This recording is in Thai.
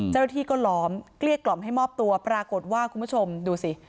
เจ้าหน้าที่ก็ล้อมเกลี้ยกล่อมให้มอบตัวปรากฏว่าคุณผู้ชมดูสิ